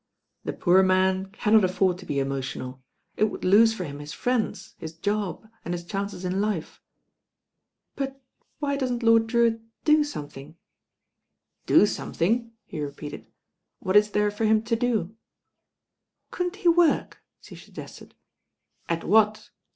"The poor man cannot afford to be emotional. It would lose for him his friends, his job and his chances in life." "But why doesn't Lord Drewitt do something?" "Do something 1" he repeated. "What is there for him to do?" "Couldn't he work?" she suggested. "At what?